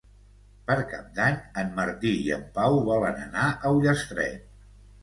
Per Cap d'Any en Martí i en Pau volen anar a Ullastret.